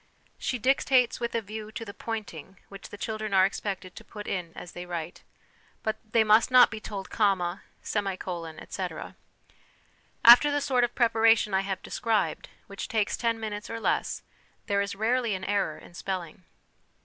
She dictates with a view to the pointing, which the children are expected to put in as they write ; but they must not be told 'comma,' 'semicolon,' etc. After the sort of preparation I have described, which takes ten minutes or less, there is rarely an error in spelling.